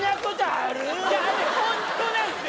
あれホントなんですよ